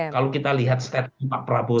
kalau kita lihat statement pak prabowo